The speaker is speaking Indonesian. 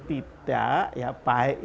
tidak ya baik